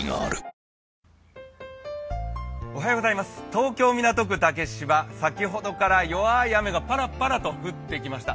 東京・港区竹芝、先ほどから弱い雨がパラパラと降ってきました。